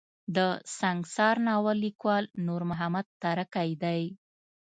د سنګسار ناول ليکوال نور محمد تره کی دی.